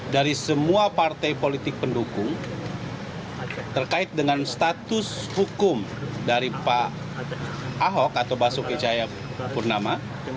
dari semua partai politik pendukung terkait dengan status hukum dari pak ahok atau basuki cahaya purnama